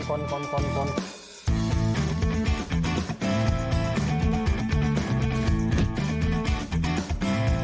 ขอบคุณนะขอบคุณนะ